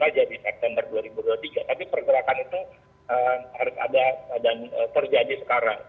aja di september dua ribu dua puluh tiga tapi pergerakan itu harus ada dan terjadi sekarang